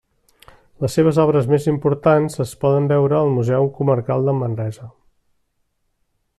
Les seves obres més importants es poden veure al Museu Comarcal de Manresa.